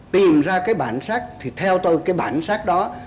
tìm ra cái bản sắc thì theo tôi cái bản sắc đó